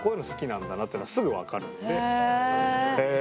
へえ。